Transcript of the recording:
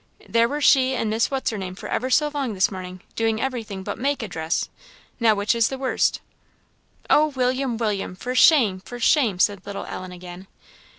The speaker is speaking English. there were she and Miss What's her name for ever so long this morning doing everything but make a dress. Now which is the worst?" "Oh, William! William! for shame! for shame!" said little Ellen again.